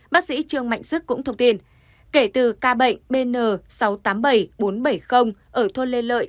bác sĩ trương mạnh sức cũng thông tin kể từ ca bệnh bn sáu trăm tám mươi bảy bốn trăm bảy mươi ở thôn lê lợi